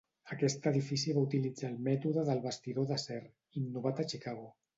Aquest edifici va utilitzar el mètode del bastidor d'acer, innovat a Chicago.